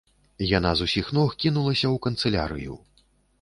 Яна з усіх ног кінулася ў канцылярыю.